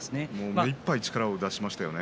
目いっぱい力を出しましたよね。